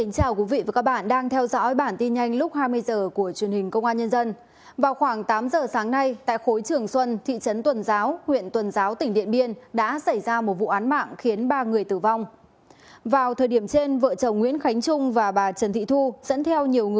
các bạn hãy đăng ký kênh để ủng hộ kênh của chúng mình nhé